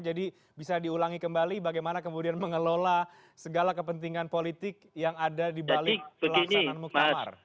jadi bisa diulangi kembali bagaimana kemudian mengelola segala kepentingan politik yang ada di balik pelaksanaan muktamar